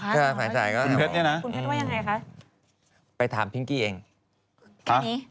คุณเพชรเนี่ยนะ